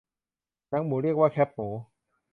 หนังหมูเรียกว่าแคบหมู